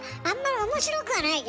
面白くはないですよ